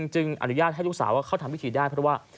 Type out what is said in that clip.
อนุญาตให้ลูกสาวเข้าทำพิธีได้เพราะว่า